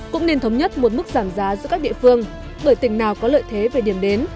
cũng nên thống nhất một mức giảm giá giữa các địa phương bởi tỉnh nào có lợi thế về điểm đến